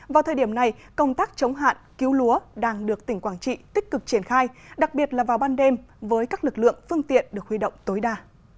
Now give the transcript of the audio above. vào thời điểm này công tác chống hạn cứu lúa đang được tỉnh quảng trị tích cực triển khai đặc biệt là vào ban đêm với các lực lượng phương tiện được huy động tối đa